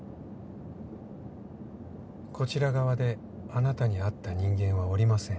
こちら側であなたに会った人間はおりません。